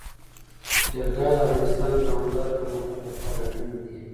جلګه د افغانستان د دوامداره پرمختګ لپاره اړین دي.